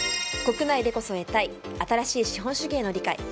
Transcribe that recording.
国内でこそ得たい新しい資本主義への理解。